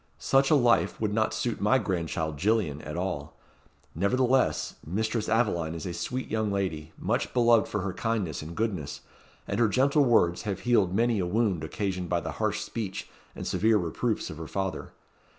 Such a life would not suit my grandchild, Gillian, at all. Nevertheless, Mistress Aveline is a sweet young lady, much beloved for her kindness and goodness; and her gentle words have healed many a wound occasioned by the harsh speech and severe reproofs of her father.